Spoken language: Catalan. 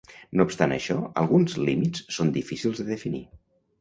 No obstant això alguns límits són difícils de definir.